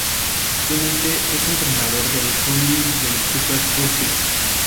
Actualmente es entrenador del Brumbies del Super Rugby.